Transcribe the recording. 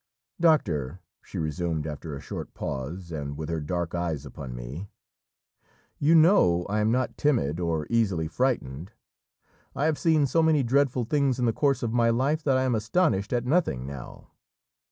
"Doctor," she resumed after a short pause and with her dark eyes upon me, "you know I am not timid or easily frightened. I have seen so many dreadful things in the course of my life that I am astonished at nothing now.